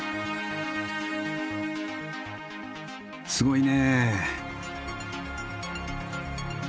すごいね。